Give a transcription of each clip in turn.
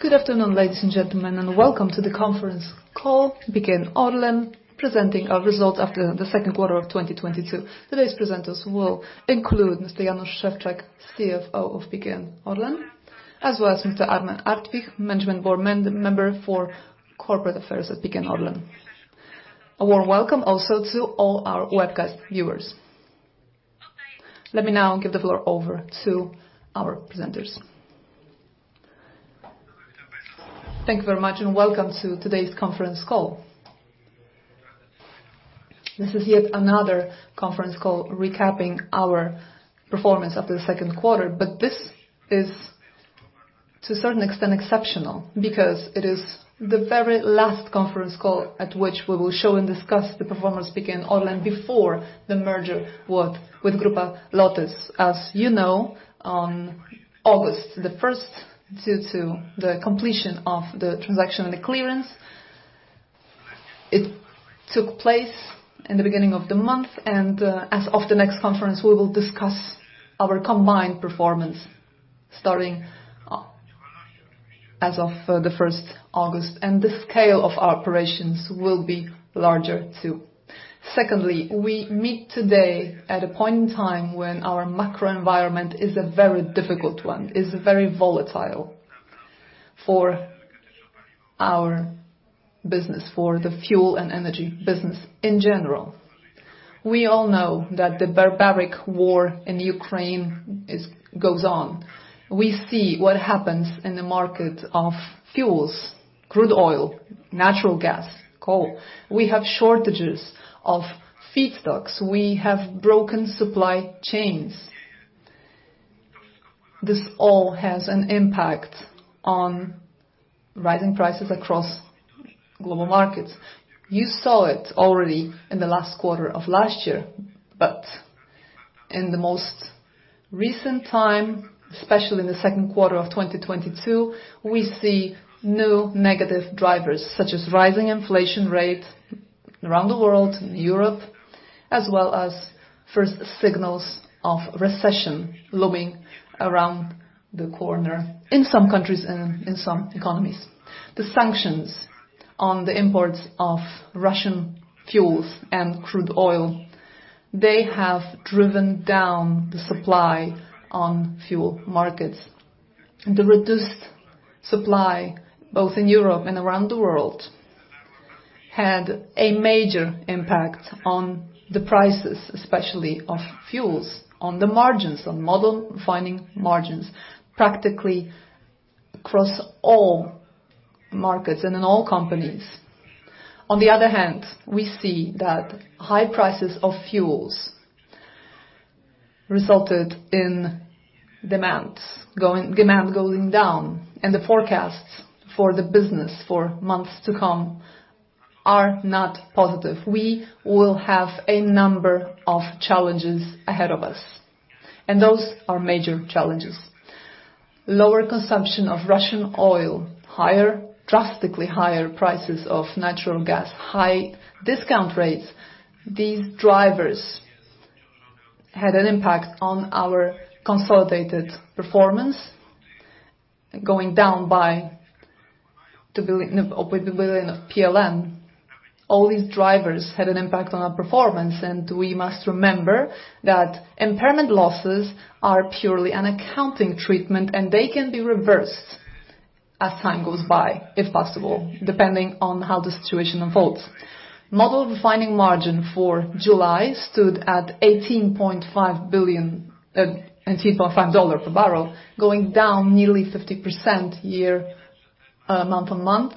Good afternoon, ladies and gentlemen, and welcome to the conference call PKN ORLEN presenting our results after the second quarter of 2022. Today's presenters will include Mr. Jan Szewczak, CFO of PKN ORLEN, as well as Mr. Armen Artwich, management board member for corporate affairs at PKN ORLEN. A warm welcome also to all our webcast viewers. Let me now give the floor over to our presenters. Thank you very much, and welcome to today's conference call. This is yet another conference call recapping our performance after the second quarter, but this is to a certain extent exceptional, because it is the very last conference call at which we will show and discuss the performance of PKN ORLEN before the merger with Grupa LOTOS. As you know, on August the first, due to the completion of the transaction and the clearance, it took place in the beginning of the month, and as of the next conference, we will discuss our combined performance starting as of the first August, and the scale of our operations will be larger, too. Secondly, we meet today at a point in time when our macro environment is a very difficult one, is very volatile for our business, for the fuel and energy business in general. We all know that the barbaric war in Ukraine goes on. We see what happens in the market of fuels, crude oil, natural gas, coal. We have shortages of feedstocks. We have broken supply chains. This all has an impact on rising prices across global markets. You saw it already in the last quarter of last year, but in the most recent time, especially in the second quarter of 2022, we see new negative drivers, such as rising inflation rate around the world, in Europe, as well as first signals of recession looming around the corner in some countries and in some economies. The sanctions on the imports of Russian fuels and crude oil, they have driven down the supply on fuel markets. The reduced supply, both in Europe and around the world, had a major impact on the prices, especially of fuels, on the margins, on model refining margins, practically across all markets and in all companies. On the other hand, we see that high prices of fuels resulted in demand going down, and the forecasts for the business for months to come are not positive. We will have a number of challenges ahead of us, and those are major challenges. Lower consumption of Russian oil, higher, drastically higher prices of natural gas, high discount rates. These drivers had an impact on our consolidated performance going down by 1 billion PLN. All these drivers had an impact on our performance, and we must remember that impairment losses are purely an accounting treatment, and they can be reversed as time goes by, if possible, depending on how the situation unfolds. Model refining margin for July stood at $18.5 per barrel, going down nearly 50% year-on-year, month-on-month.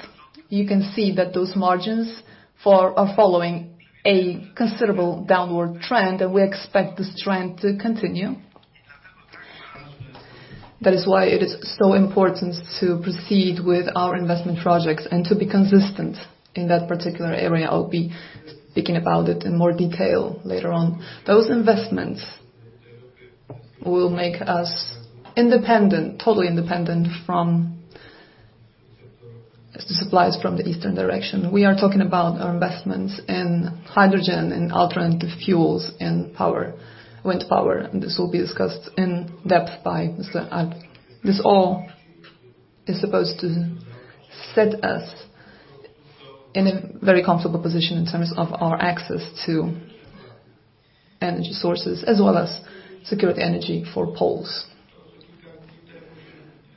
You can see that those margins are following a considerable downward trend, and we expect this trend to continue. That is why it is so important to proceed with our investment projects and to be consistent in that particular area. I'll be speaking about it in more detail later on. Those investments will make us independent, totally independent from the supplies from the eastern direction. We are talking about our investments in hydrogen and alternative fuels and power, wind power. This will be discussed in depth by Mr. Art. This all is supposed to set us in a very comfortable position in terms of our access to energy sources as well as secure the energy for Poles.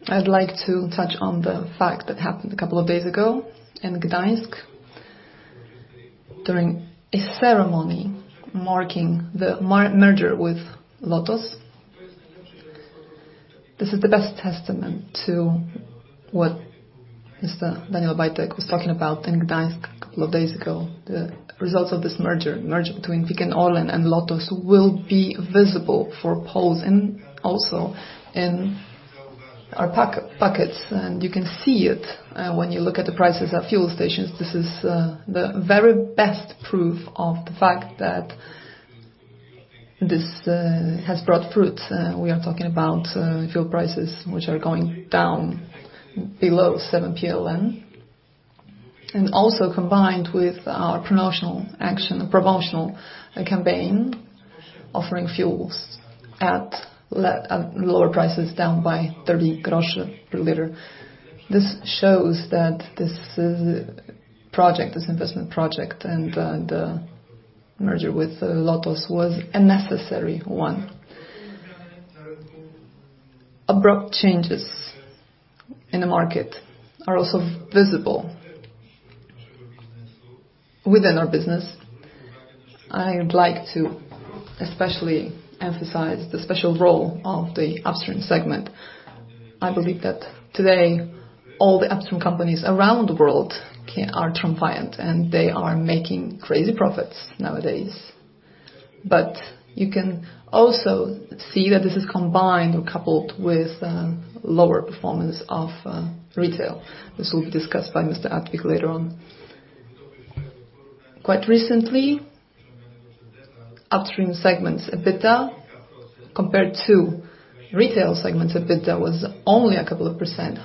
I'd like to touch on the fact that happened a couple of days ago in Gdańsk during a ceremony marking the merger with LOTOS. This is the best testament to what Mr. Daniel Obajtek was talking about in Gdańsk a couple of days ago. The results of this merger between PKN ORLEN and LOTOS will be visible for Poles and also in our pockets. You can see it when you look at the prices at fuel stations. This is the very best proof of the fact that this has brought fruit. We are talking about fuel prices, which are going down below 7 PLN. Also combined with our promotional campaign, offering fuels at lower prices, down by 30 groszy per liter. This shows that this investment project and the merger with LOTOS was a necessary one. Abrupt changes in the market are also visible within our business. I would like to especially emphasize the special role of the upstream segment. I believe that today all the upstream companies around the world are triumphant, and they are making crazy profits nowadays. You can also see that this is combined or coupled with lower performance of retail. This will be discussed by Mr. Artwich later on. Quite recently, upstream segment's EBITDA, compared to retail segment's EBITDA, was only a couple of percent.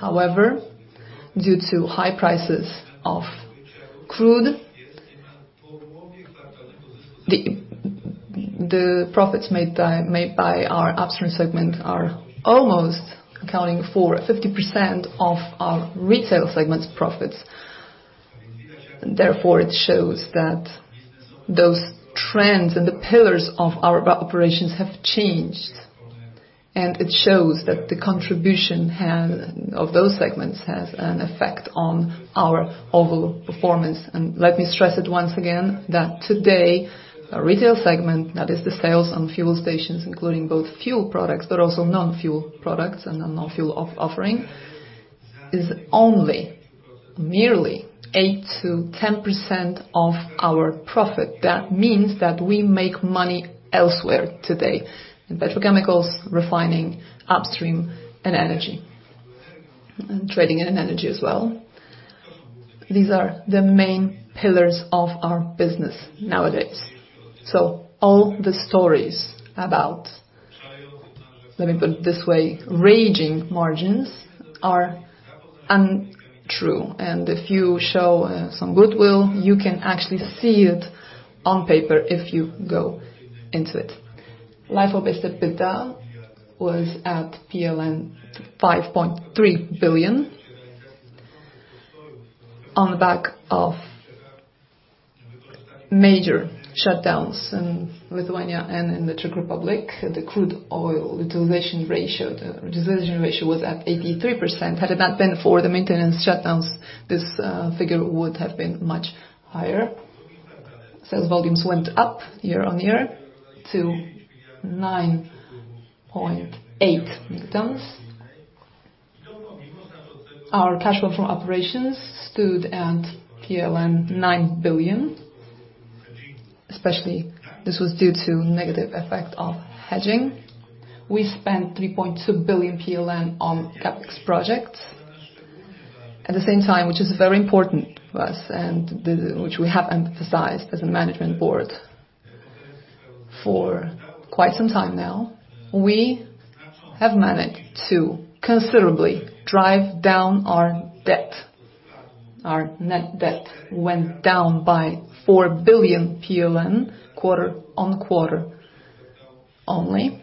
Due to high prices of crude, the profits made by our upstream segment are almost accounting for 50% of our retail segment's profits. Therefore, it shows that those trends and the pillars of our operations have changed, and it shows that the contribution of those segments has an effect on our overall performance. Let me stress it once again that today, our retail segment, that is the sales on fuel stations, including both fuel products but also non-fuel products and the non-fuel offering, is only merely 8%-10% of our profit. That means that we make money elsewhere today, in petrochemicals, refining, upstream, and energy, and trading in energy as well. These are the main pillars of our business nowadays. All the stories about, let me put it this way, raging margins are untrue. If you show some goodwill, you can actually see it on paper if you go into it. LIFO-based EBITDA was at PLN 5.3 billion. On the back of major shutdowns in Lithuania and in the Czech Republic, the crude oil utilization ratio, the utilization ratio was at 83%. Had it not been for the maintenance shutdowns, this figure would have been much higher. Sales volumes went up year-on-year to 9.8 megatons. Our cash flow from operations stood at PLN 9 billion. Especially, this was due to negative effect of hedging. We spent 3.2 billion PLN on CapEx projects. At the same time, which is very important for us and which we have emphasized as a management board for quite some time now, we have managed to considerably drive down our debt. Our net debt went down by 4 billion PLN quarter-on-quarter only.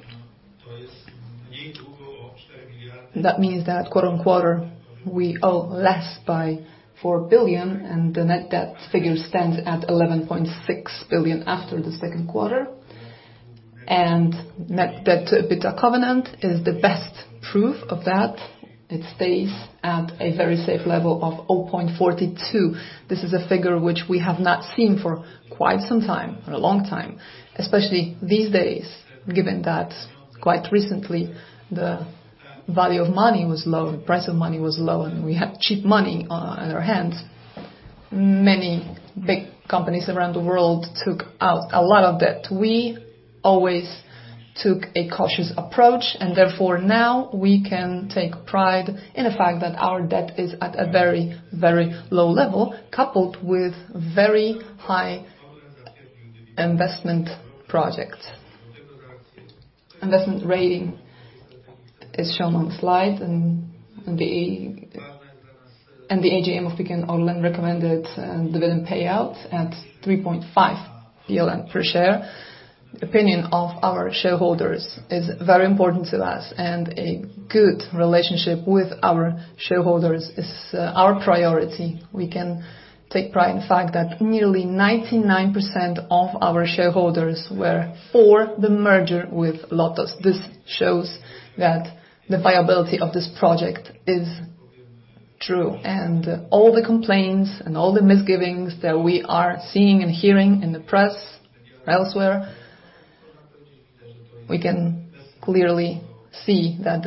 That means that quarter-on-quarter we owe less by 4 billion, and the net debt figure stands at 11.6 billion after the second quarter. Net debt-to-EBITDA covenant is the best proof of that. It stays at a very safe level of 0.42. This is a figure which we have not seen for quite some time, a long time, especially these days, given that quite recently the value of money was low, the price of money was low, and we had cheap money in our hands. Many big companies around the world took out a lot of debt. We always took a cautious approach, and therefore, now we can take pride in the fact that our debt is at a very, very low level, coupled with very high investment projects. Investment rating is shown on the slide and the AGM of PKN ORLEN recommended dividend payout at 3.5 PLN per share. Opinion of our shareholders is very important to us, and a good relationship with our shareholders is our priority. We can take pride in the fact that nearly 99% of our shareholders were for the merger with LOTOS. This shows that the viability of this project is true. All the complaints and all the misgivings that we are seeing and hearing in the press or elsewhere, we can clearly see that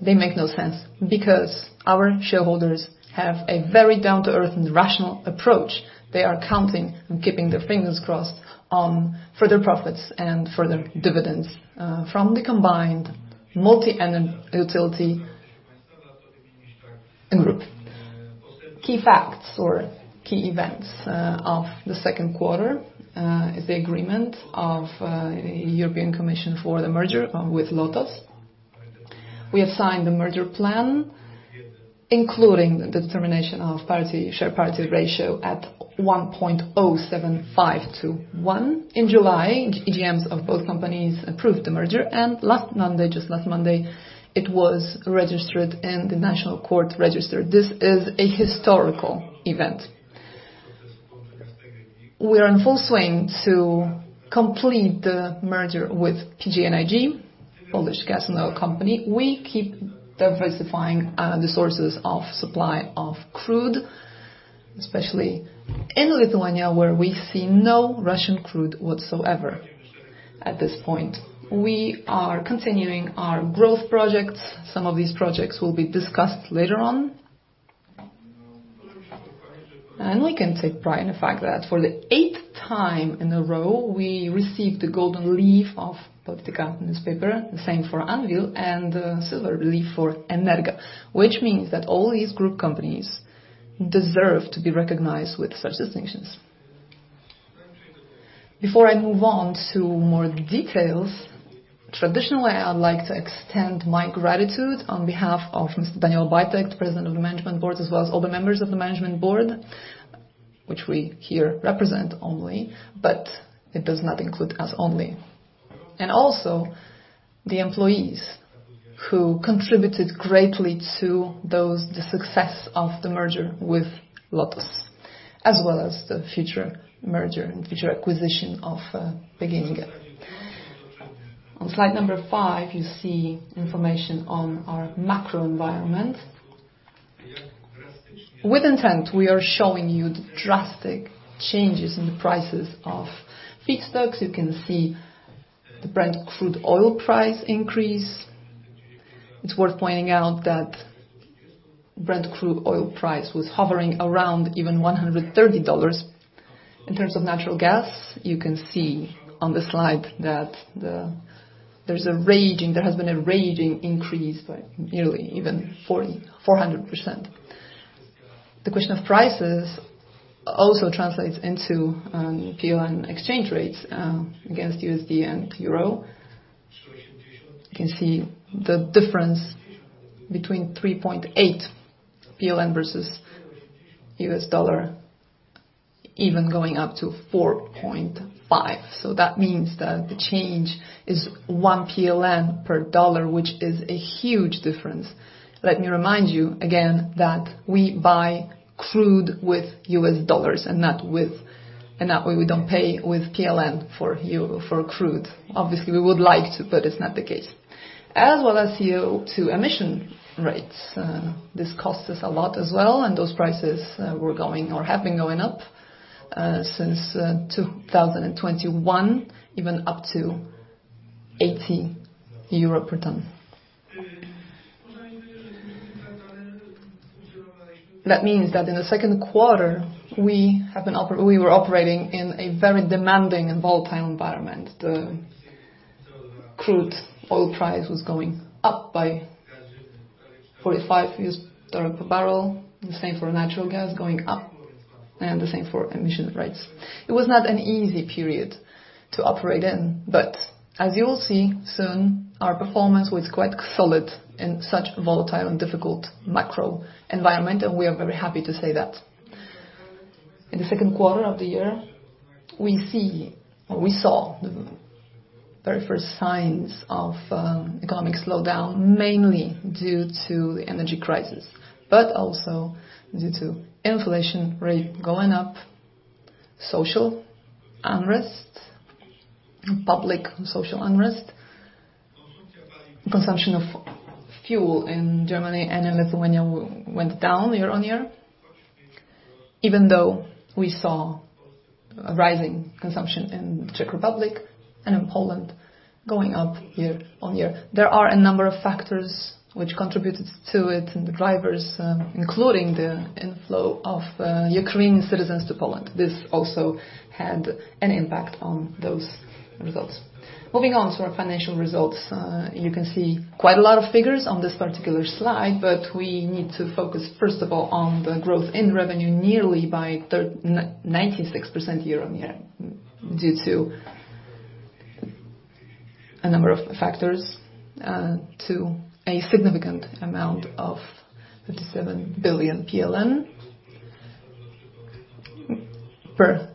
they make no sense because our shareholders have a very down-to-earth and rational approach. They are counting and keeping their fingers crossed on further profits and further dividends from the combined multi-energy utility group. Key facts or key events of the second quarter is the agreement of European Commission for the merger with LOTOS. We have signed the merger plan, including the determination of the share exchange ratio at 1.075-1. In July, EGMs of both companies approved the merger, and last Monday, just last Monday, it was registered in the National Court Register. This is a historical event. We are in full swing to complete the merger with PGNiG, Polish Gas and Oil Company. We keep diversifying, the sources of supply of crude, especially in Lithuania, where we see no Russian crude whatsoever at this point. We are continuing our growth projects. Some of these projects will be discussed later on. We can take pride in the fact that for the eighth time in a row, we received the Golden CSR Leaf of Polityka Newspaper, the same for Anwil, and the Silver CSR Leaf for Energa, which means that all these group companies deserve to be recognized with such distinctions. Before I move on to more details, traditionally, I would like to extend my gratitude on behalf of Mr. Daniel Obajtek, President of the Management Board, as well as all the members of the Management Board, which we here represent only, but it does not include us only. Also the employees who contributed greatly to those, the success of the merger with LOTOS, as well as the future merger and future acquisition of PGNiG. On slide number five, you see information on our macro environment. With intent, we are showing you the drastic changes in the prices of feedstocks. You can see the Brent crude oil price increase. It's worth pointing out that Brent crude oil price was hovering around even $130. In terms of natural gas, you can see on the slide that there has been a raging increase by nearly even 400%. The question of prices also translates into PLN exchange rates against USD and euro. You can see the difference between 3.8 PLN versus US dollar even going up to 4.5. That means that the change is 1 PLN per dollar, which is a huge difference. Let me remind you again that we buy crude with US dollars and not with, and that way we don't pay with PLN for crude. Obviously, we would like to, but it's not the case. As well as CO₂ emission rates, this costs us a lot as well, and those prices were going or have been going up since 2021, even up to 80 euro per ton. That means that in the second quarter, we were operating in a very demanding and volatile environment. The crude oil price was going up by $45 per barrel, the same for natural gas going up, and the same for emission rates. It was not an easy period to operate in, but as you will see soon, our performance was quite solid in such a volatile and difficult macro environment, and we are very happy to say that. In the second quarter of the year, we see or we saw the very first signs of economic slowdown, mainly due to the energy crisis, but also due to inflation rate going up, social unrest, public social unrest. Consumption of fuel in Germany and in Lithuania went down year-on-year, even though we saw a rising consumption in Czech Republic and in Poland going up year-on-year. There are a number of factors which contributed to it and the drivers, including the inflow of Ukrainian citizens to Poland. This also had an impact on those results. Moving on to our financial results. You can see quite a lot of figures on this particular slide, but we need to focus, first of all, on the growth in revenue nearly by 96% year-over-year due to a number of factors, to a significant amount of 57 billion PLN per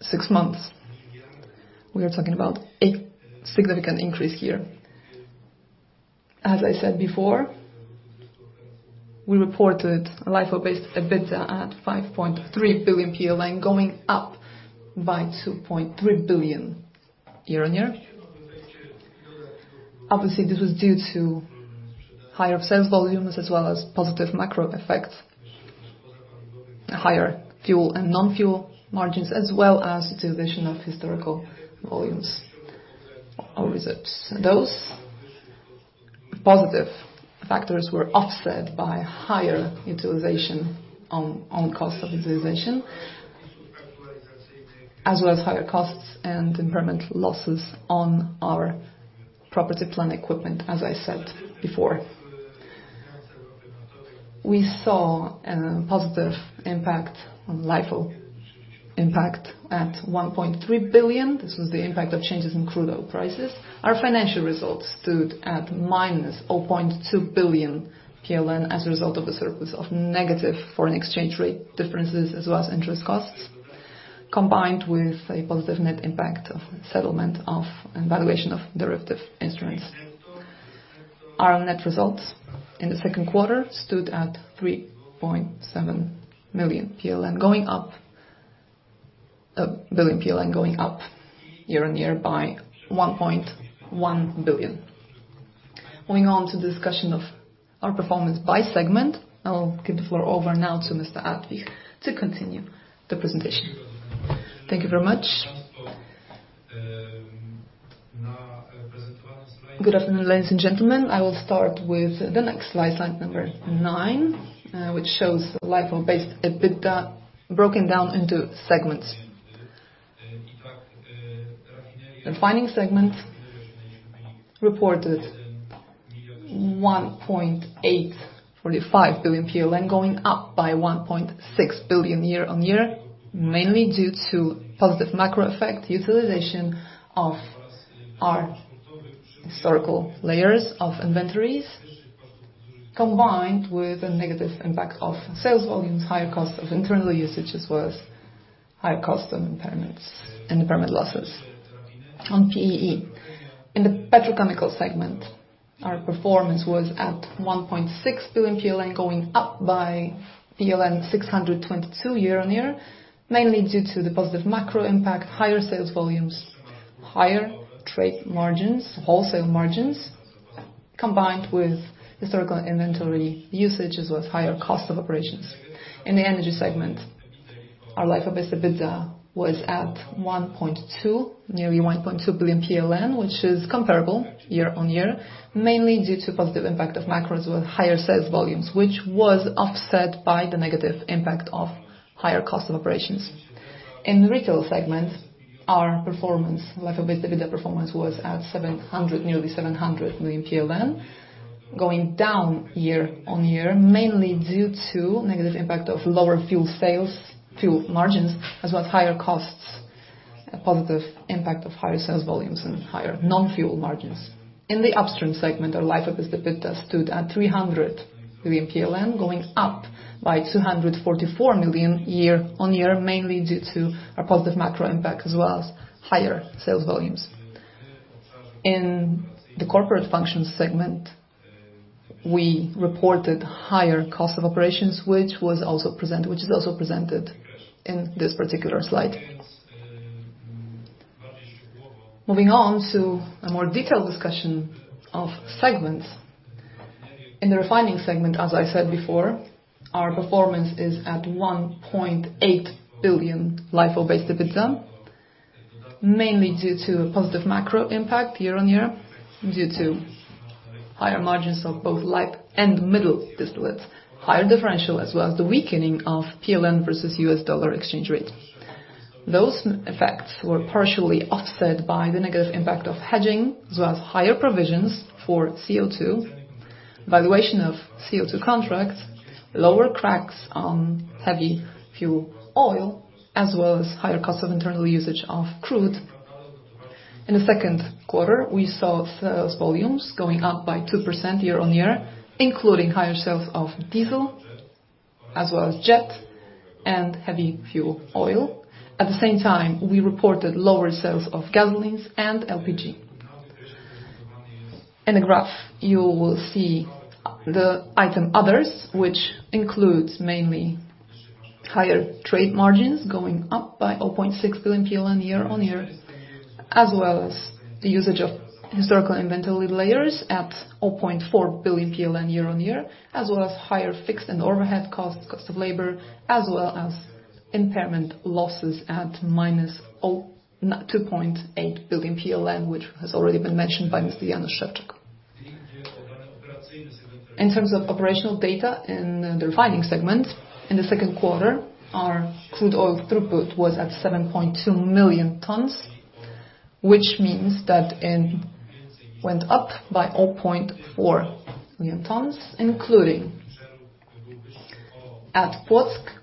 six months. We are talking about a significant increase here. As I said before, we reported LIFO-based EBITDA at 5.3 billion going up by 2.3 billion year-over-year. Obviously, this was due to higher sales volumes as well as positive macro effects, higher fuel and non-fuel margins, as well as utilization of historical volumes or reserves. Those positive factors were offset by higher utilization, cost of utilization, as well as higher costs and impairment losses on our property, plant and equipment, as I said before. We saw a positive impact on LIFO impact at 1.3 billion. This was the impact of changes in crude oil prices. Our financial results stood at -0.2 billion PLN as a result of the surplus of negative foreign exchange rate differences as well as interest costs, combined with a positive net impact of settlement of and valuation of derivative instruments. Our net results in the second quarter stood at 3.7 billion PLN, going up year-on-year by 1.1 billion. Moving on to the discussion of our performance by segment, I will give the floor over now to Mr. Artwich to continue the presentation. Thank you very much. Good afternoon, ladies and gentlemen. I will start with the next slide number nine, which shows LIFO-based EBITDA broken down into segments. The refining segment reported 1.845 billion, going up by 1.6 billion year-on-year, mainly due to positive macro effect utilization of our historical layers of inventories, combined with a negative impact of sales volumes, higher cost of internal usage, as well as higher cost impairments and impairment losses on PP&E. In the petrochemical segment, our performance was at 1.6 billion PLN, going up by PLN 622 million year-on-year, mainly due to the positive macro impact, higher sales volumes, higher trade margins, wholesale margins, combined with historical inventory usage, as well as higher cost of operations. In the energy segment, our LIFO-based EBITDA was at 1.2, nearly 1.2 billion PLN, which is comparable year-on-year, mainly due to positive impact of macros with higher sales volumes, which was offset by the negative impact of higher cost of operations. In the retail segment, our performance, LIFO-based EBITDA performance, was at 700, nearly 700 million PLN, going down year-on-year, mainly due to negative impact of lower fuel sales, fuel margins, as well as higher costs, a positive impact of higher sales volumes and higher non-fuel margins. In the upstream segment, our LIFO-based EBITDA stood at 300 million PLN, going up by 244 million year-on-year, mainly due to a positive macro impact as well as higher sales volumes. In the corporate functions segment, we reported higher cost of operations, which is also presented in this particular slide. Moving on to a more detailed discussion of segments. In the refining segment, as I said before, our performance is at 1.8 billion LIFO-based EBITDA, mainly due to a positive macro impact year-on-year, due to higher margins of both light and middle distillates, higher differential as well as the weakening of PLN versus US dollar exchange rate. Those effects were partially offset by the negative impact of hedging, as well as higher provisions for CO₂, valuation of CO₂ contracts, lower cracks on heavy fuel oil, as well as higher cost of internal usage of crude. In the second quarter, we saw sales volumes going up by 2% year-on-year, including higher sales of diesel as well as jet and heavy fuel oil. At the same time, we reported lower sales of gasolines and LPG. In the graph, you will see the item Others, which includes mainly higher trade margins going up by 0.6 billion PLN year-on-year, as well as the usage of historical inventory layers at 0.4 billion PLN year-on-year, as well as higher fixed and overhead costs, cost of labor, as well as impairment losses at -2.8 billion PLN, which has already been mentioned by Mr. Jan Szewczak. In terms of operational data in the refining segment, in the second quarter, our crude oil throughput was at 7.2 million tons, which means that it went up by 0.4 million tons, including at [Płock,]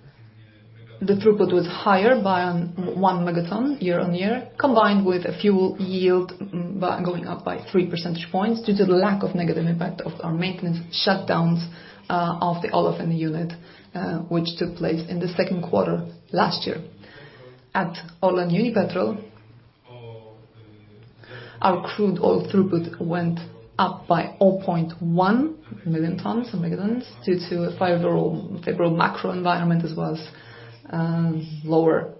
the throughput was higher by 1 megaton year-on-year, combined with a fuel yield going up by 3 percentage points due to the lack of negative impact of our maintenance shutdowns of the olefin unit, which took place in the second quarter last year. At ORLEN Unipetrol, our crude oil throughput went up by 0.1 million tons, or megatons, due to a favorable macro environment as well as lower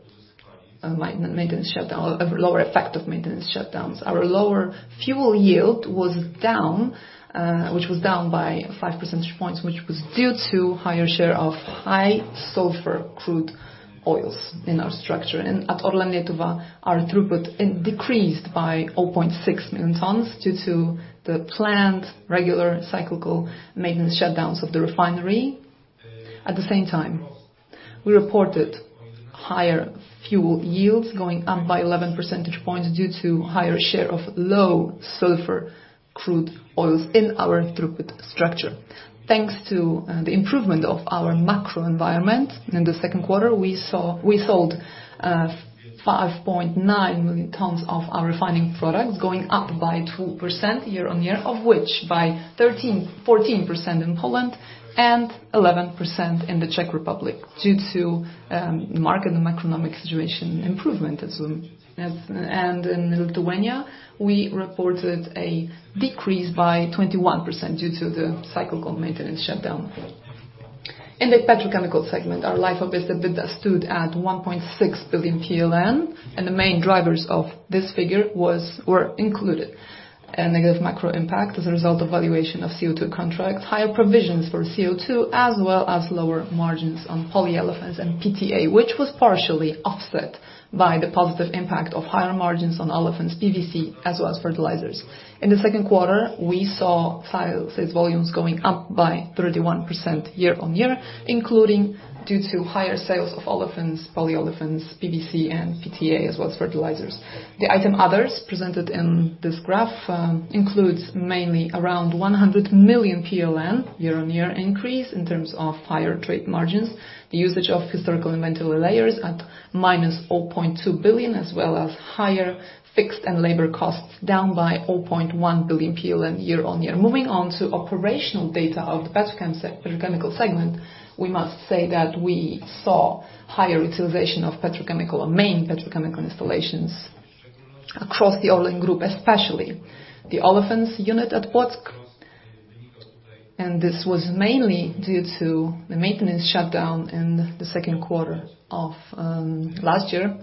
maintenance shutdown, lower effect of maintenance shutdowns. Our lower fuel yield was down, which was down by 5 percentage points, which was due to higher share of high sulfur crude oils in our structure. At ORLEN Lietuva, our throughput decreased by 0.6 million tons due to the planned regular cyclical maintenance shutdowns of the refinery. At the same time, we reported higher fuel yields going up by 11 percentage points due to higher share of low sulfur crude oils in our throughput structure. Thanks to the improvement of our macro environment in the second quarter, we sold 5.9 million tons of our refining products, going up by 2% year-on-year, of which by 13%, 14% in Poland and 11% in the Czech Republic due to market and macroeconomic situation improvement. In Lithuania, we reported a decrease by 21% due to the cyclical maintenance shutdown. In the petrochemical segment, our LIFO-based EBITDA stood at 1.6 billion PLN, and the main drivers of this figure were included: a negative macro impact as a result of valuation of CO₂ contracts, higher provisions for CO₂, as well as lower margins on polyolefins and PTA, which was partially offset by the positive impact of higher margins on olefins, PVC, as well as fertilizers. In the second quarter, we saw sales volumes going up by 31% year-on-year, including due to higher sales of olefins, polyolefins, PVC and PTA, as well as fertilizers. The item others presented in this graph includes mainly around 100 million PLN year-on-year increase in terms of higher trade margins, the usage of historical inventory layers at minus 0.2 billion, as well as higher fixed and labor costs down by 0.1 billion PLN year-on-year. Moving on to operational data of the petrochemical segment, we must say that we saw higher utilization of petrochemical and main petrochemical installations across the ORLEN Group, especially the olefins unit at Płock, and this was mainly due to the maintenance shutdown in the second quarter of last year,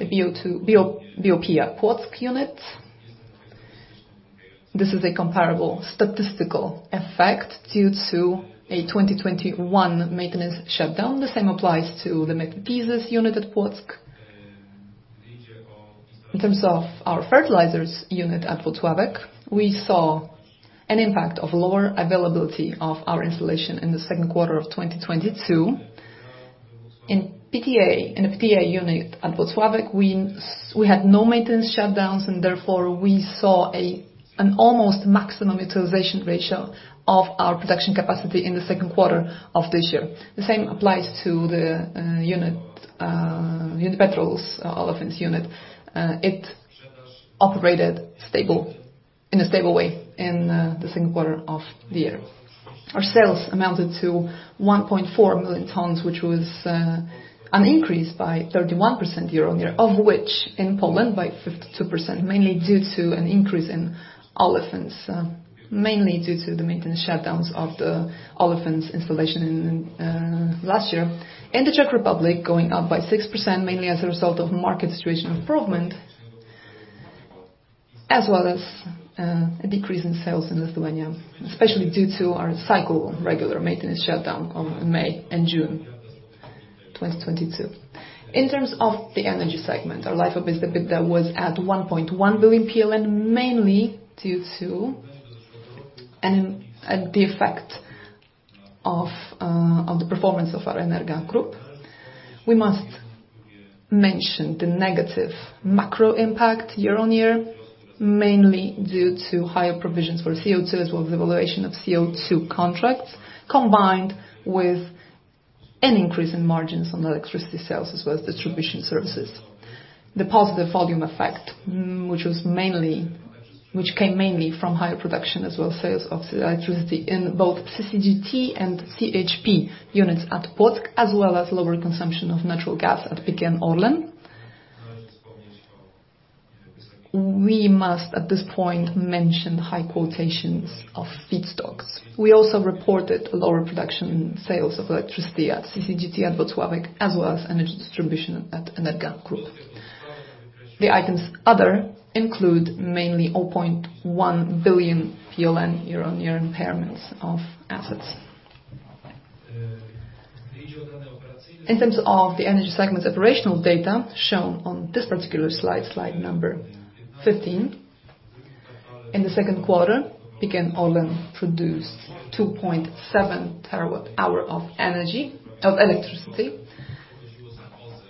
the BO2, BOP at Płock units. This is a comparable statistical effect due to a 2021 maintenance shutdown. The same applies to the methyl tert-butyl ether unit at Płock. In terms of our fertilizers unit at Włocławek, we saw an impact of lower availability of our installation in the second quarter of 2022. In PTA, in the PTA unit at Włocławek, we had no maintenance shutdowns, and therefore we saw an almost maximum utilization ratio of our production capacity in the second quarter of this year. The same applies to ORLEN Unipetrol's olefins unit. It operated stable, in a stable way in the second quarter of the year. Our sales amounted to 1.4 million tons, which was an increase by 31% year-on-year, of which in Poland by 52%, mainly due to an increase in olefins, mainly due to the maintenance shutdowns of the olefins installation in last year. In the Czech Republic, going up by 6%, mainly as a result of market situation improvement, as well as a decrease in sales in Lithuania, especially due to our cyclical maintenance shutdown on May and June 2022. In terms of the energy segment, our LIFO-based EBITDA was at 1.1 billion PLN, mainly due to the effect of the performance of our Energa Group. We must mention the negative macro impact year-on-year, mainly due to higher provisions for CO₂ as well as evaluation of CO₂ contracts, combined with an increase in margins on electricity sales as well as distribution services. The positive volume effect, which came mainly from higher production as well as sales of electricity in both CCGT and CHP units at Płock, as well as lower consumption of natural gas at PKN ORLEN. We must, at this point, mention the high quotations of feedstocks. We also reported lower production as well as sales of electricity at CCGT at Włocławek, as well as energy distribution at Energa Group. The other items include mainly 0.1 billion PLN year-on-year impairments of assets. In terms of the energy segment's operational data shown on this particular slide number 15, in the second quarter, PKN ORLEN produced 2.7 terawatt-hours of energy, of electricity,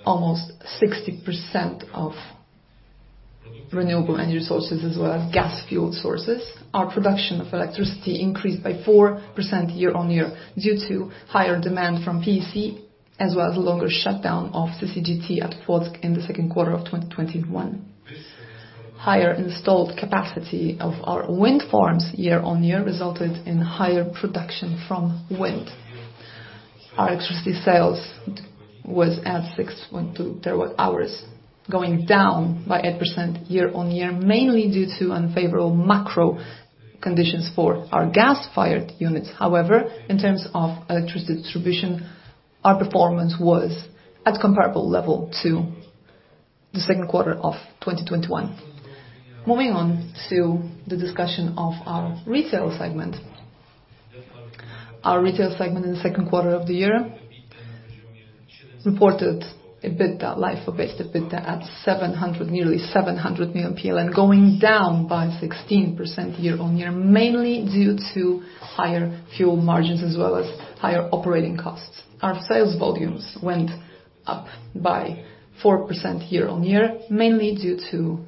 almost 60% of renewable energy sources as well as gas fueled sources. Our production of electricity increased by 4% year-on-year due to higher demand from PEC as well as longer shutdown of CCGT at Płock in the second quarter of 2021. Higher installed capacity of our wind farms year-on-year resulted in higher production from wind. Our electricity sales was at 6.2 terawatt-hours, going down by 8% year-on-year, mainly due to unfavorable macro conditions for our gas-fired units. However, in terms of electricity distribution, our performance was at comparable level to the second quarter of 2021. Moving on to the discussion of our retail segment. Our retail segment in the second quarter of the year reported EBITDA, LIFO-based EBITDA at 700, nearly 700 million, going down by 16% year-on-year, mainly due to higher fuel margins as well as higher operating costs. Our sales volumes went up by 4% year-on-year, mainly due to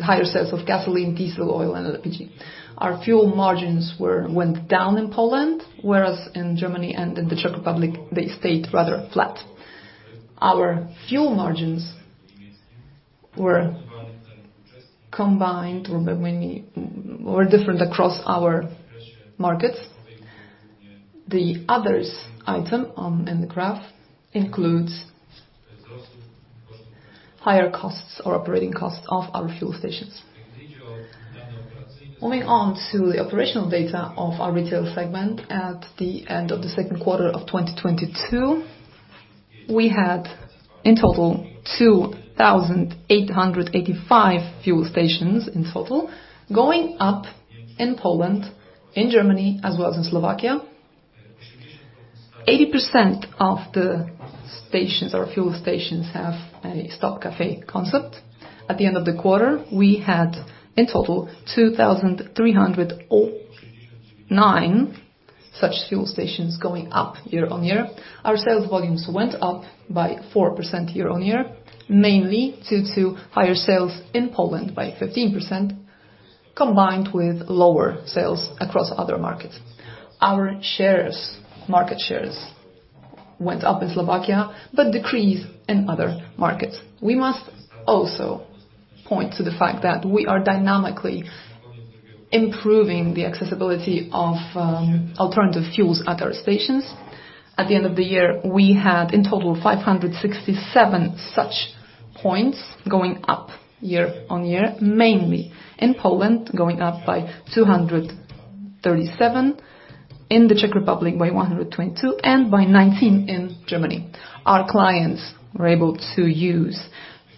higher sales of gasoline, diesel oil, and LPG. Our fuel margins went down in Poland, whereas in Germany and in the Czech Republic, they stayed rather flat. Our fuel margins were different across our markets. The other item on, in the graph includes higher operating costs of our fuel stations. Moving on to the operational data of our retail segment at the end of the second quarter of 2022, we had in total 2,885 fuel stations in total, going up in Poland, in Germany, as well as in Slovakia. 80% of the stations or fuel stations have a Stop Cafe concept. At the end of the quarter, we had in total 2,309 such fuel stations going up year on year. Our sales volumes went up by 4% year on year, mainly due to higher sales in Poland by 15% combined with lower sales across other markets. Our shares, market shares went up in Slovakia, but decreased in other markets. We must also point to the fact that we are dynamically improving the accessibility of alternative fuels at our stations. At the end of the year, we had in total 567 such points going up year-on-year, mainly in Poland, going up by 237, in the Czech Republic by 122 and by 19 in Germany. Our clients were able to use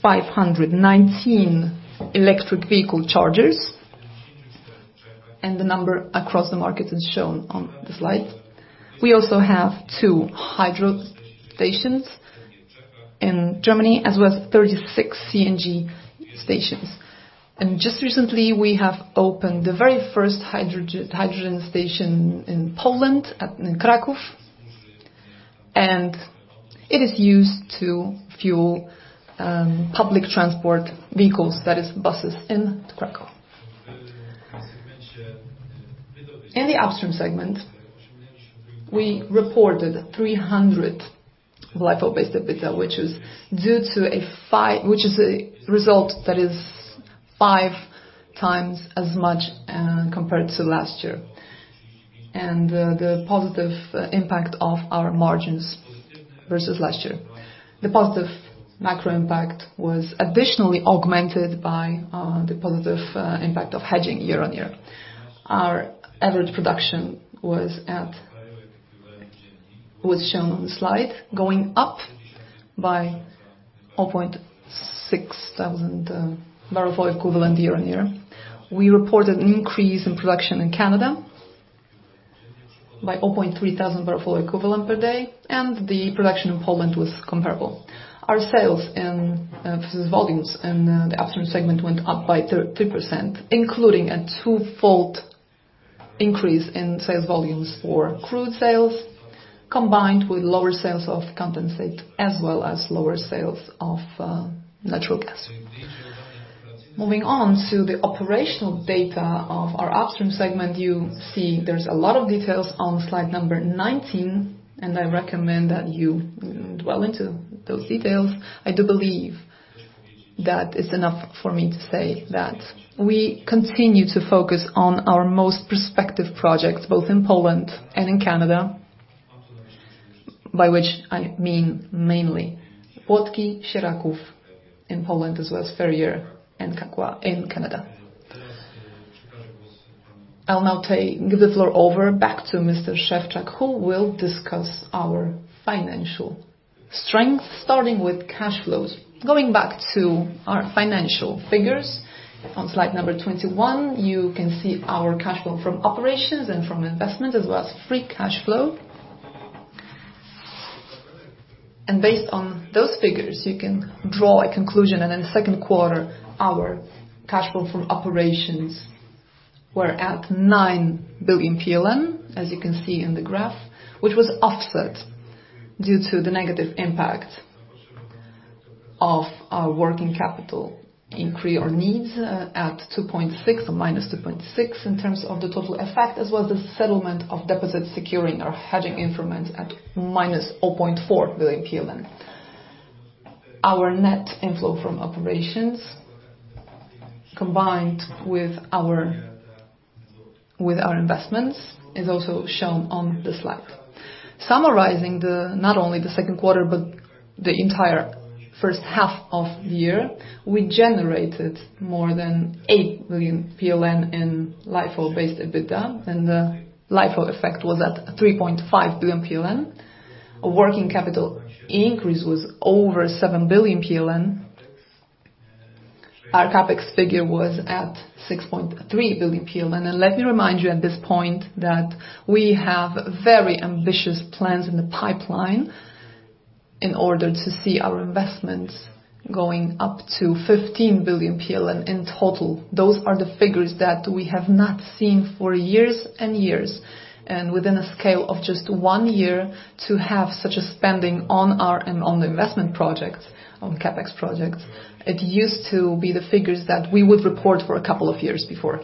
519 electric vehicle chargers, and the number across the markets is shown on the slide. We also have two hydro stations in Germany, as well as 36 CNG stations. Just recently, we have opened the very first hydrogen station in Poland in Kraków, and it is used to fuel public transport vehicles, that is buses in Kraków. In the upstream segment, we reported 300 LIFO-based EBITDA, which is a result that is five times as much compared to last year. The positive impact of our margins versus last year. The positive macro impact was additionally augmented by the positive impact of hedging year-on-year. Our average production was shown on the slide, going up by 0.6 thousand barrels of oil equivalent year-on-year. We reported an increase in production in Canada by 0.3 thousand barrels of oil equivalent per day, and the production in Poland was comparable. Our sales volumes in the upstream segment went up by 33%, including a twofold increase in sales volumes for crude sales, combined with lower sales of condensate as well as lower sales of natural gas. Moving on to the operational data of our upstream segment, you see there's a lot of details on slide number 19, and I recommend that you delve into those details. I do believe that it's enough for me to say that we continue to focus on our most prospective projects, both in Poland and in Canada, by which I mean mainly Płock, Sieraków in Poland, as well as Ferrier and Kakwa in Canada. I'll now give the floor over back to Mr. Szewczak, who will discuss our financial strength, starting with cash flows. Going back to our financial figures on slide number 21, you can see our cash flow from operations and from investment, as well as free cash flow. Based on those figures, you can draw a conclusion. In the second quarter, our cash flow from operations were at 9 billion PLN, as you can see in the graph, which was offset due to the negative impact of our working capital increase or needs at 2.6 or -2.6 in terms of the total effect, as well as the settlement of deposits securing our hedging instruments at -0.4 billion PLN. Our net inflow from operations, combined with our investments, is also shown on the slide. Summarizing not only the second quarter, but the entire first half of the year, we generated more than 8 billion PLN in LIFO-based EBITDA, and the LIFO effect was at 3.5 billion PLN. A working capital increase was over 7 billion PLN. Our CapEx figure was at 6.3 billion PLN. Let me remind you at this point that we have very ambitious plans in the pipeline. In order to see our investments going up to 15 billion PLN in total. Those are the figures that we have not seen for years and years, and within a scale of just one year to have such a spending on our investment project, on CapEx projects. It used to be the figures that we would report for a couple of years before.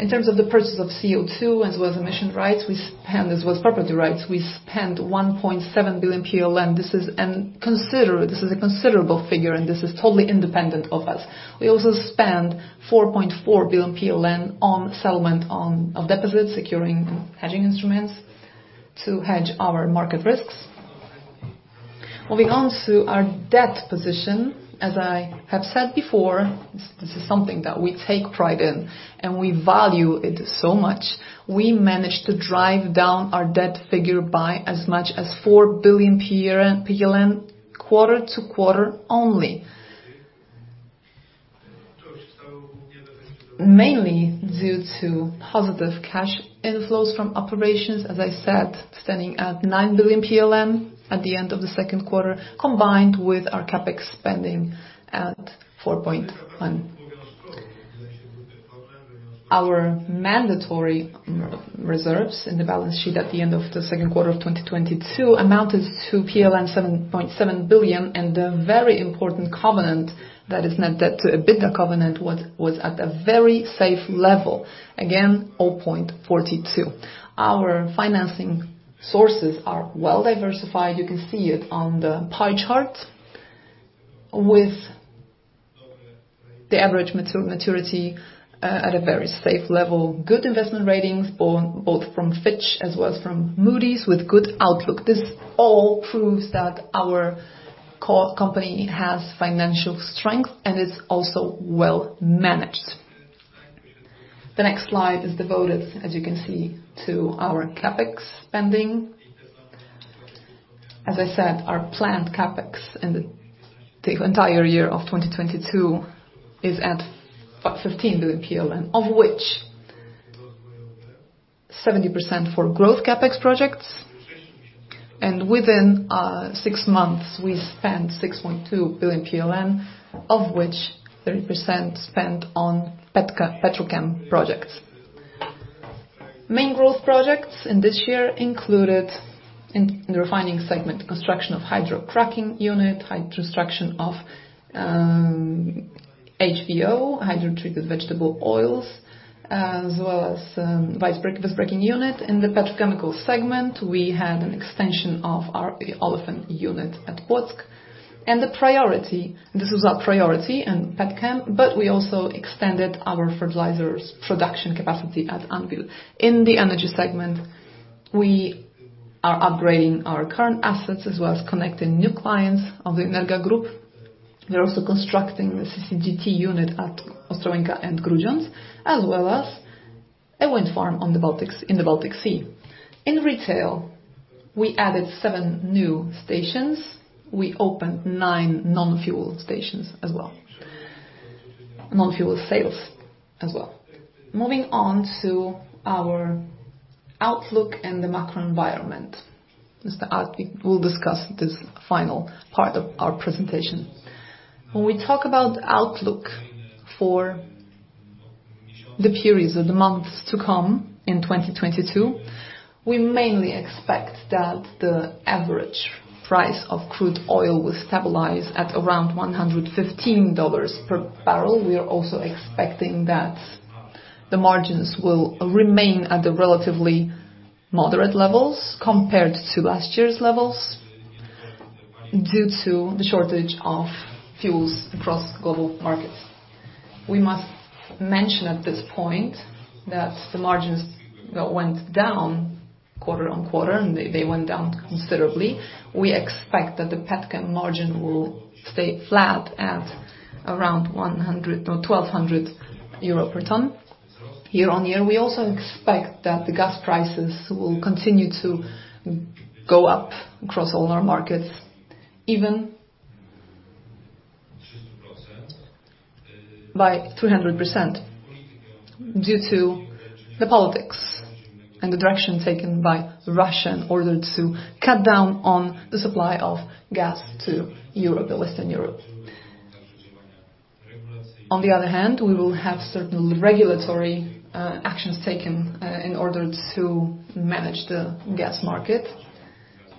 In terms of the purchase of CO₂ as well as emission rights, as well as property rights, we spend 1.7 billion PLN. This is a considerable figure, and this is totally independent of us. We also spend 4.4 billion PLN on settlement of deposits, securing hedging instruments to hedge our market risks. Moving on to our debt position, as I have said before, this is something that we take pride in, and we value it so much. We managed to drive down our debt figure by as much as 4 billion PLN quarter-to-quarter only. Mainly due to positive cash inflows from operations, as I said, standing at 9 billion PLN at the end of the second quarter, combined with our CapEx spending at 4.1 billion. Our mandatory reserves in the balance sheet at the end of the second quarter of 2022 amounted to PLN 7.7 billion, and the very important covenant that is net debt to EBITDA covenant was at a very safe level. Again, 0.42. Our financing sources are well diversified. You can see it on the pie chart with the average maturity at a very safe level, good investment ratings both from Fitch as well as from Moody's with good outlook. This all proves that our core company has financial strength and is also well managed. The next slide is devoted, as you can see, to our CapEx spending. As I said, our planned CapEx in the entire year of 2022 is at 15 billion PLN, of which 70% for growth CapEx projects, and within six months, we spent 6.2 billion PLN, of which 30% spent on petrochem projects. Main growth projects in this year included in the refining segment, construction of hydrocracking unit, construction of HVO, Hydrotreated Vegetable Oils, as well as visbreaking unit. In the petrochemical segment, we had an extension of our olefin unit at Płock. The priority, this was our priority in petchem, but we also extended our fertilizers production capacity at Anwil. In the energy segment, we are upgrading our current assets as well as connecting new clients of the Energa Group. We're also constructing the CCGT unit at Ostrołęka and Grudziądz, as well as a wind farm in the Baltic Sea. In retail, we added seven new stations. We opened nine non-fuel stations as well. Non-fuel sales as well. Moving on to our outlook and the macro environment. Mr. Armen Artwich will discuss this final part of our presentation. When we talk about outlook for the periods or the months to come in 2022, we mainly expect that the average price of crude oil will stabilize at around $115 per barrel. We are also expecting that the margins will remain at the relatively moderate levels compared to last year's levels due to the shortage of fuels across global markets. We must mention at this point that the margins that went down quarter-on-quarter, and they went down considerably. We expect that the petchem margin will stay flat at around 100-1,200 euro per ton year-on-year. We also expect that the gas prices will continue to go up across all our markets, even by 300% due to the politics and the direction taken by Russia in order to cut down on the supply of gas to Western Europe. On the other hand, we will have certain regulatory actions taken in order to manage the gas market,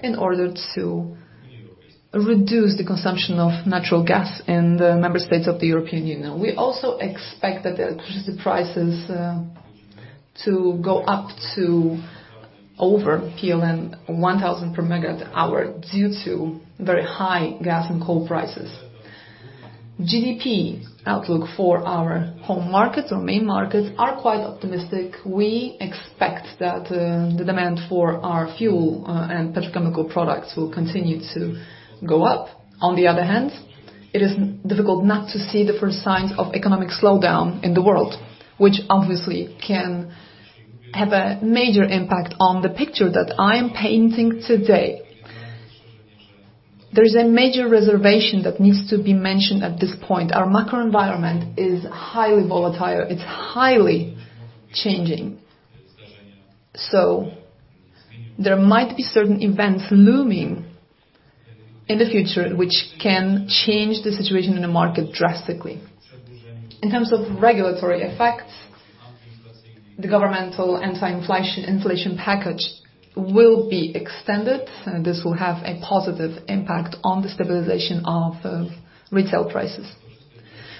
in order to reduce the consumption of natural gas in the member states of the European Union. We also expect that the electricity prices to go up to over PLN 1,000 per megawatt-hour due to very high gas and coal prices. GDP outlook for our home markets or main markets are quite optimistic. We expect that the demand for our fuel and petrochemical products will continue to go up. On the other hand, it is difficult not to see the first signs of economic slowdown in the world, which obviously can have a major impact on the picture that I am painting today. There's a major reservation that needs to be mentioned at this point. Our macro environment is highly volatile. It's highly changing. There might be certain events looming in the future which can change the situation in the market drastically. In terms of regulatory effects, the governmental anti-inflation, inflation package will be extended. This will have a positive impact on the stabilization of retail prices.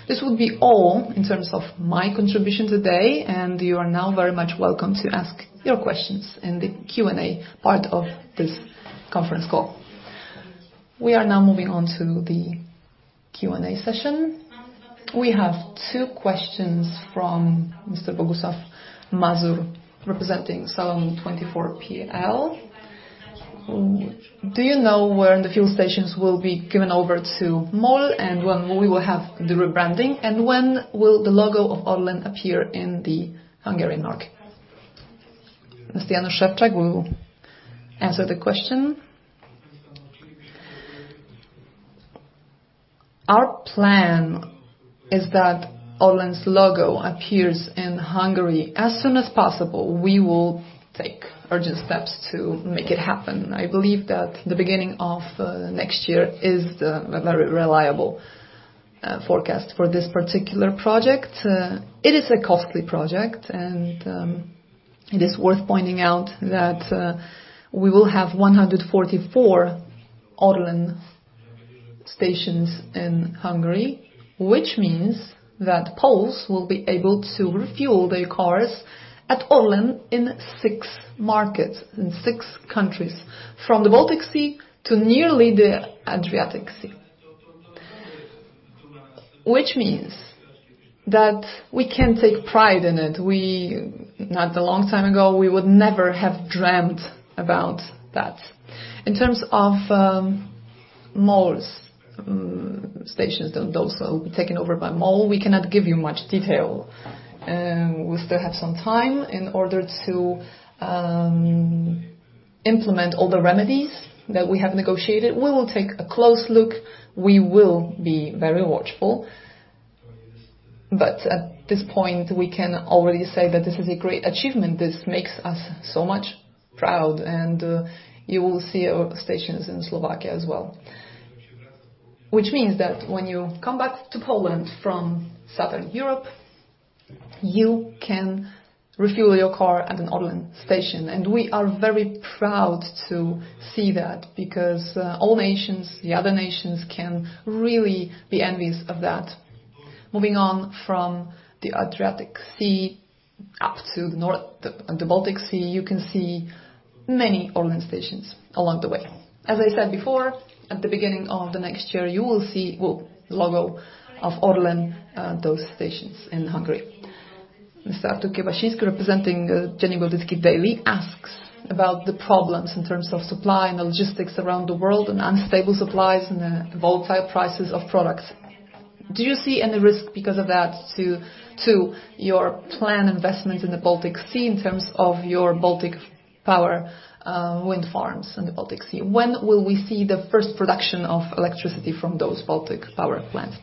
This will be all in terms of my contribution today, and you are now very much welcome to ask your questions in the Q&A part of this conference call. We are now moving on to the Q&A session. We have two questions from Mr. Bogusław Mazur, representing Salon24.pl. Do you know when the fuel stations will be given over to MOL and when we will have the rebranding, and when will the logo of ORLEN appear in the Hungarian market? Mr. Jan Szewczak will answer the question. Our plan is that O's logo appears in Hungary as soon as possible. We will take urgent steps to make it happen. I believe that the beginning of next year is a very reliable forecast for this particular project. It is a costly project, and it is worth pointing out that we will have 144 ORLEN stations in Hungary, which means that Poles will be able to refuel their cars at ORLEN in six markets, in six countries from the Baltic Sea to nearly the Adriatic Sea, which means that we can take pride in it. Not a long time ago, we would never have dreamt about that. In terms of MOL's stations, those that will be taken over by MOL, we cannot give you much detail. We still have some time in order to implement all the remedies that we have negotiated. We will take a close look. We will be very watchful, but at this point we can already say that this is a great achievement. This makes us so much proud and you will see our stations in Slovakia as well, which means that when you come back to Poland from Southern Europe, you can refuel your car at an ORLEN station. We are very proud to see that because all nations, the other nations can really be envious of that. Moving on from the Adriatic Sea up to the Baltic Sea, you can see many ORLEN stations along the way. As I said before, at the beginning of the next year, you will see, well, logo of ORLEN those stations in Hungary. Mr. Artur Kiełbasiński representing Dziennik Gazeta Prawna asks about the problems in terms of supply and logistics around the world and unstable supplies and the volatile prices of products. Do you see any risk because of that to your planned investment in the Baltic Sea in terms of your Baltic Power wind farms in the Baltic Sea? When will we see the first production of electricity from those Baltic power plants?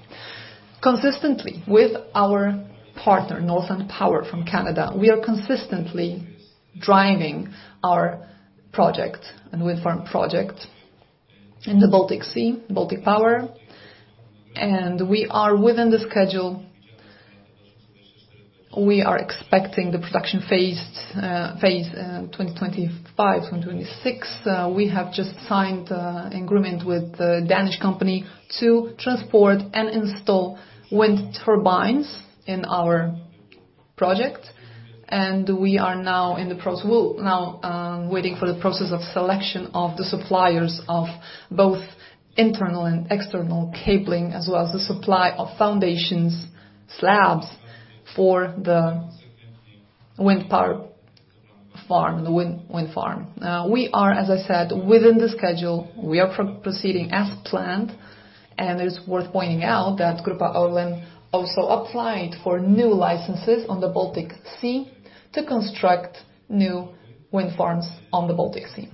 Consistently with our partner, Northland Power from Canada, we are consistently driving our project and wind farm project in the Baltic Sea, Baltic Power, and we are within the schedule. We are expecting the production phase in 2025, 2026. We have just signed agreement with the Danish company to transport and install wind turbines in our project. We're now waiting for the process of selection of the suppliers of both internal and external cabling, as well as the supply of foundations slabs for the wind power farm, the wind farm. We are, as I said, within the schedule. We are proceeding as planned, and it's worth pointing out that Grupa ORLEN also applied for new licenses on the Baltic Sea to construct new wind farms on the Baltic Sea.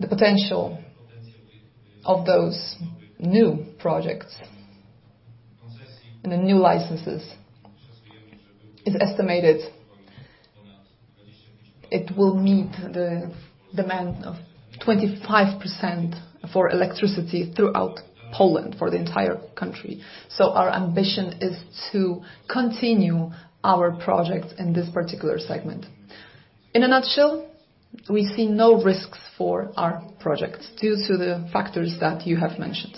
The potential of those new projects and the new licenses is estimated it will meet the demand of 25% for electricity throughout Poland for the entire country. Our ambition is to continue our projects in this particular segment. In a nutshell, we see no risks for our projects due to the factors that you have mentioned.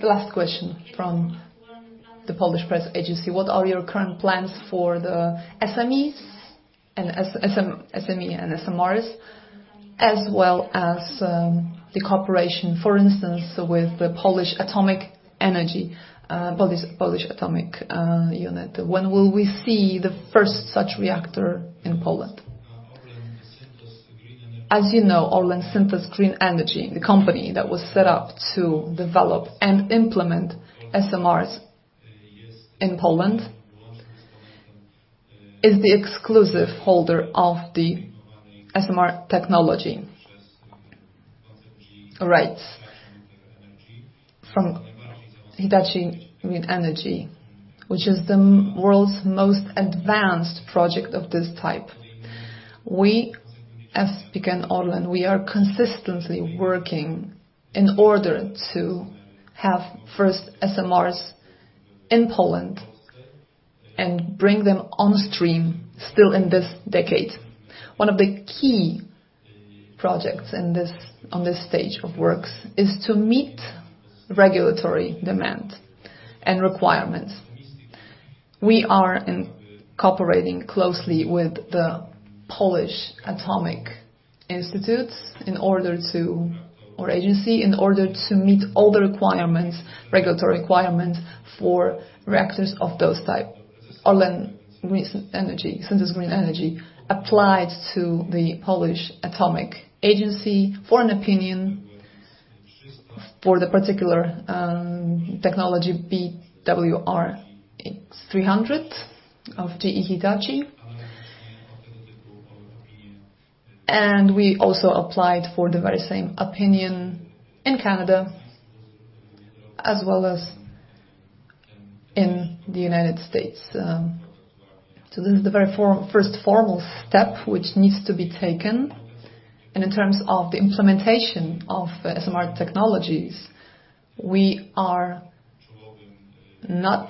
The last question from the Polish Press Agency: What are your current plans for the SMRs, as well as the cooperation, for instance, with the Polish Atomic Energy Agency. When will we see the first such reactor in Poland? As you know, ORLEN Synthos Green Energy, the company that was set up to develop and implement SMRs in Poland, is the exclusive holder of the SMR technology from GE Hitachi Nuclear Energy, which is the world's most advanced project of this type. We, as PKN ORLEN, we are consistently working in order to have first SMRs in Poland and bring them on stream still in this decade. One of the key projects on this stage of works is to meet regulatory demand and requirements. We are cooperating closely with the Polish Atomic Institutes in order to. Our agency, in order to meet all the requirements, regulatory requirements for reactors of those type. ORLEN Green Energy, since it's green energy, applied to the Polish Atomic Agency for an opinion for the particular technology BWRX-300 of GE Hitachi. We also applied for the very same opinion in Canada as well as in the United States. This is the first formal step which needs to be taken. In terms of the implementation of SMR technologies, we are not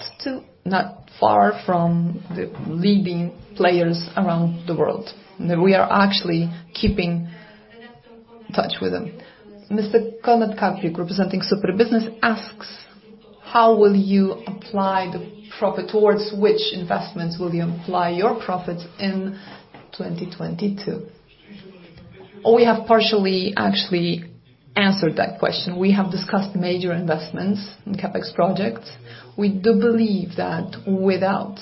far from the leading players around the world. We are actually keeping in touch with them. Mr. Konrad Karpiuk, representing Super Biznes, asks, "How will you apply the profit? Towards which investments will you apply your profits in 2022?" We have partially actually answered that question. We have discussed major investments in CapEx projects. We do believe that without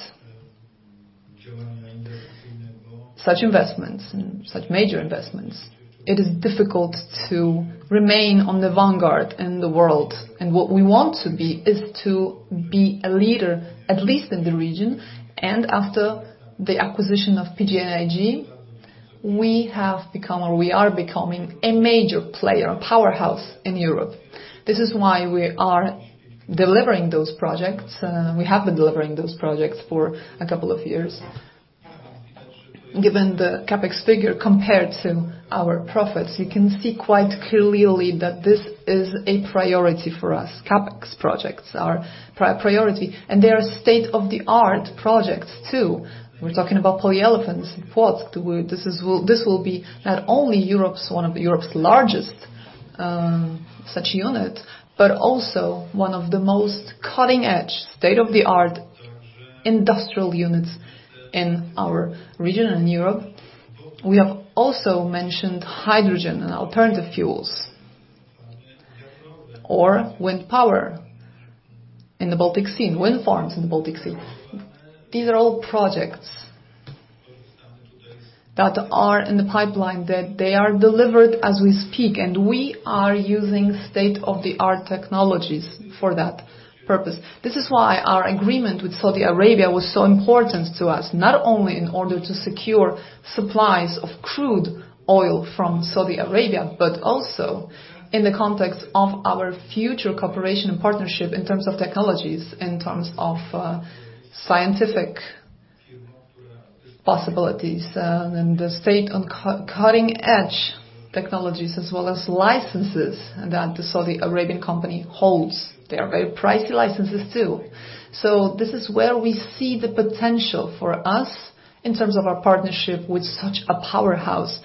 such investments and such major investments, it is difficult to remain on the vanguard in the world. What we want to be is to be a leader, at least in the region. After the acquisition of PGNiG, we have become or we are becoming a major player, a powerhouse in Europe. This is why we are delivering those projects. We have been delivering those projects for a couple of years. Given the CapEx figure compared to our profits, you can see quite clearly that this is a priority for us. CapEx projects are priority, and they are state-of-the-art projects too. We're talking about polyolefins in Płock. This will be not only Europe's one of Europe's largest such unit, but also one of the most cutting-edge, state-of-the-art industrial units in our region and Europe. We have also mentioned hydrogen and alternative fuels or wind power in the Baltic Sea, wind farms in the Baltic Sea. These are all projects that are in the pipeline, that they are delivered as we speak, and we are using state-of-the-art technologies for that purpose. This is why our agreement with Saudi Arabia was so important to us, not only in order to secure supplies of crude oil from Saudi Arabia, but also in the context of our future cooperation and partnership in terms of technologies, in terms of scientific possibilities, and cutting-edge technologies as well as licenses that the Saudi Arabian company holds. They are very pricey licenses too. This is where we see the potential for us in terms of our partnership with such a powerhouse.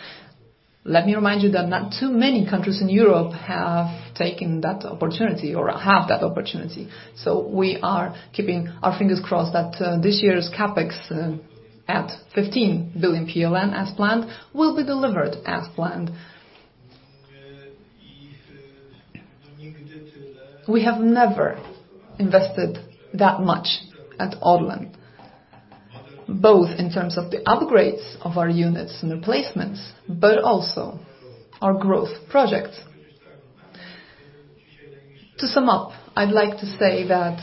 Let me remind you that not too many countries in Europe have taken that opportunity or have that opportunity. We are keeping our fingers crossed that this year's CapEx at 15 billion PLN as planned will be delivered as planned. We have never invested that much at ORLEN, both in terms of the upgrades of our units and replacements, but also our growth projects. To sum up, I'd like to say that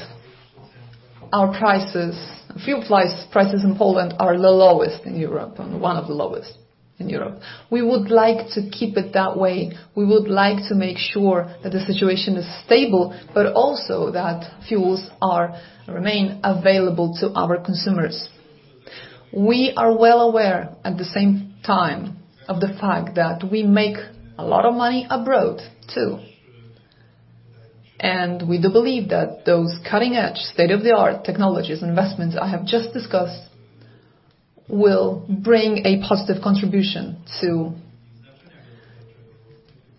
our prices, fuel prices in Poland are the lowest in Europe and one of the lowest in Europe. We would like to keep it that way. We would like to make sure that the situation is stable, but also that fuels remain available to our consumers. We are well aware at the same time of the fact that we make a lot of money abroad too. We do believe that those cutting-edge, state-of-the-art technologies and investments I have just discussed will bring a positive contribution to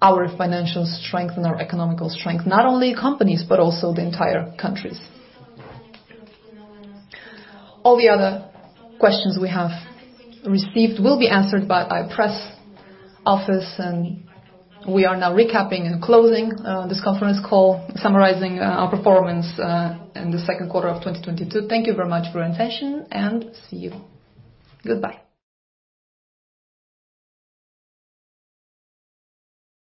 our financial strength and our economic strength, not only companies but also the entire countries. All the other questions we have received will be answered by our press office, and we are now recapping and closing this conference call, summarizing our performance in the second quarter of 2022. Thank you very much for your attention, and see you. Goodbye.